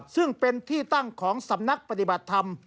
ซึ่งเป็นที่ตั้งของสำนักปฏิบัติธรรม